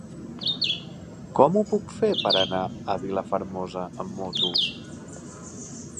Com ho puc fer per anar a Vilafermosa amb moto?